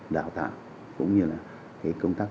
đào tạo cũng như là cái công tác